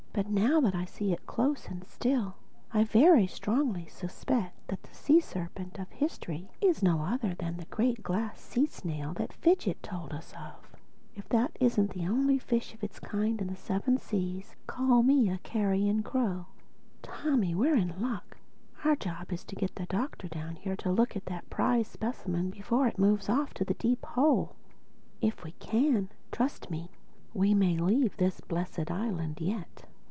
But now that I see it close and still, I very strongly suspect that the Sea serpent of history is no other than the Great Glass Sea snail that the fidgit told us of. If that isn't the only fish of its kind in the seven seas, call me a carrion crow—Tommy, we're in luck. Our job is to get the Doctor down here to look at that prize specimen before it moves off to the Deep Hole. If we can, then trust me, we may leave this blessed island yet.